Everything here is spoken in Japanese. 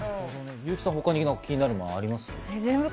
優木さん、気になるものありますか？